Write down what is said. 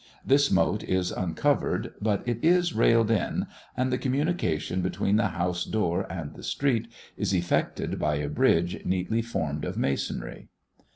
This moat is uncovered, but it is railed in, and the communication between the house door and the street is effected by a bridge neatly formed of masonry.